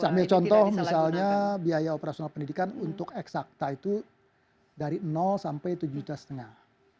ambil contoh misalnya biaya operasional pendidikan untuk eksakta itu dari sampai tujuh juta setengah